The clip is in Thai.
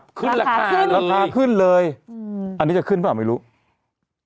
ราคาขึ้นราคาขึ้นเลยอันนี้จะขึ้นหรือเปล่าไม่รู้อืม